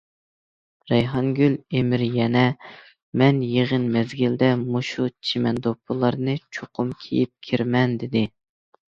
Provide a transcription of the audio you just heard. رەيھانگۈل ئىمىر يەنە، مەن يىغىن مەزگىلىدە مۇشۇ چىمەن دوپپىلارنى چوقۇم كىيىپ كىرىمەن، دېدى.